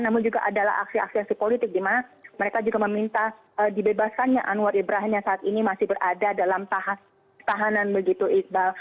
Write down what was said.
namun juga adalah aksi aksi politik di mana mereka juga meminta dibebaskannya anwar ibrahim yang saat ini masih berada dalam tahap tahanan begitu iqbal